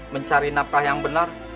mencari nafkah yang benar